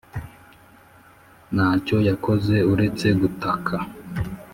nacyo yakoze uretse gutaka.